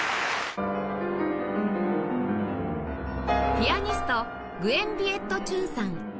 ピアニストグエン・ヴィエット・チュンさん